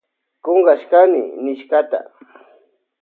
Kunkashkani nishkata.